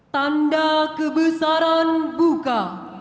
tanda kebesaran buka